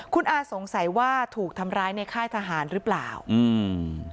คุณอาสงสัยว่าถูกทำร้ายในค่ายทหารหรือเปล่าอืม